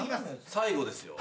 最後ですよ？